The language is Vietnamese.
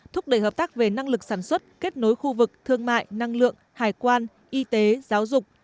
thúc đẩy hợp tác về năng lực sản xuất kết nối khu vực thương mại năng lượng hải quan y tế giáo dục